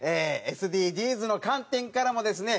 ＳＤＧｓの観点からもですね